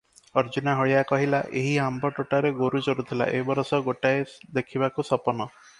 "ଅର୍ଜ୍ଜୁନା ହଳିଆ କହିଲା, "ଏହି ଆମ୍ବ ତୋଟାରେ ଗୋରୁ ଚରୁଥିଲେ, ଏ ବରଷ ଗୋଟାଏ ଦେଖିବାକୁ ସପନ ।